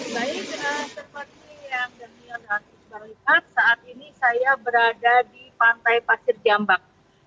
baik seperti yang daniela sudah lihat saat ini saya berada di pantai pasir jambak